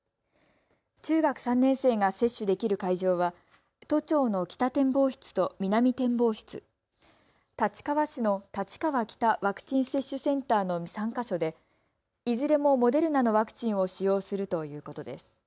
中学３年生が接種できる会場は都庁の北展望室と南展望室、立川市の立川北ワクチン接種センターの３か所でいずれもモデルナのワクチンを使用するということです。